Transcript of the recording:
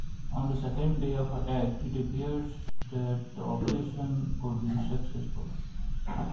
On the second day of attacks, it appeared that the operation would be successful.